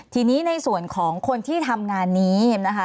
ทีนี้ในส่วนของคนที่ทำงานนี้นะคะ